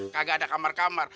kagak ada kamar kamar